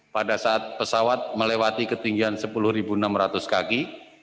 pada saat pesawat melewati ketinggian sepuluh enam ratus kaki